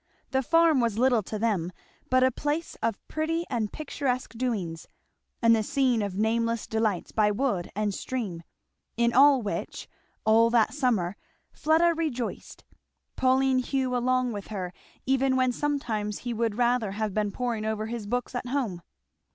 The farm was little to them but a place of pretty and picturesque doings and the scene of nameless delights by wood and stream, in all which, all that summer, Fleda rejoiced; pulling Hugh along with her even when sometimes he would rather have been poring over his books at home.